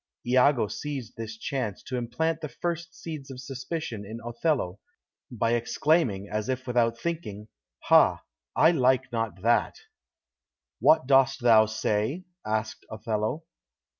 Iago seized this chance to implant the first seeds of suspicion in Othello, by exclaiming, as if without thinking, "Ha! I like not that." "What dost thou say?" asked Othello.